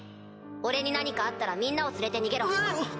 俺に何かあったらみんなを連れて逃げろ。